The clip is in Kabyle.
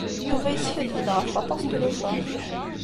Yuba yeskaddeb-d ɣef waṭas n tlufa.